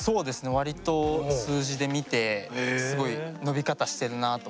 割と数字で見てすごい伸び方してるなあとか。